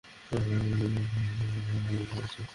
এবং, নিওকে খুঁজে বের করাটাই আমার লক্ষ্য!